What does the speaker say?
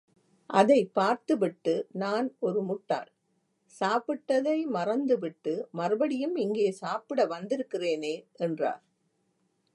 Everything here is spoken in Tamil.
அதைப் பார்த்துவிட்டு, நான் ஒரு முட்டாள், சாப்பிட்டதை மறந்துவிட்டு, மறுபடியும் இங்கே சாப்பிட வந்திருக்கிறேனே என்றார்.